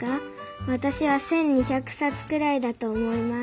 わたしは１，２００さつぐらいだとおもいます。